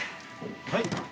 はい？